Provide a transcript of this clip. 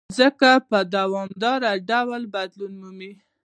مځکه په دوامداره ډول بدلون مومي.